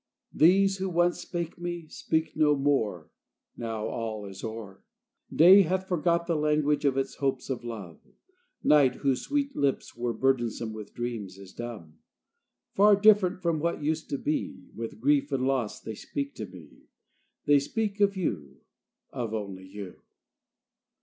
These, who once spake me, speak no more, Now all is o'er; Day hath forgot the language of Its hopes of love; Night, whose sweet lips were burdensome With dreams, is dumb; Far different from what used to be With grief and loss they speak to me, They speak of you, Of only you.